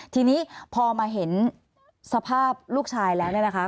ทีนี้พอมาเห็นสภาพลูกชายแล้วเนี่ยนะคะ